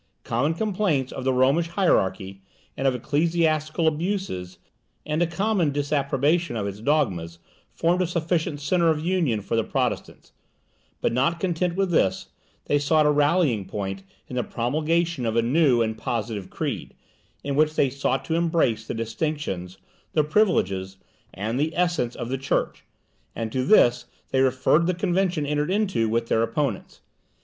Common complaints of the Romish hierarchy, and of ecclesiastical abuses, and a common disapprobation of its dogmas, formed a sufficient centre of union for the Protestants; but not content with this, they sought a rallying point in the promulgation of a new and positive creed, in which they sought to embody the distinctions, the privileges, and the essence of the church, and to this they referred the convention entered into with their opponents.